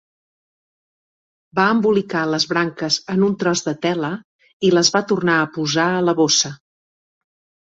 Va embolicar les branques en un tros de tela i les va tornar a posar a la bossa.